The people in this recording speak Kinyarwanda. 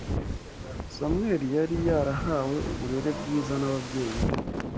Samweli yari yarahawe uburere bwiza n’ababyeyi be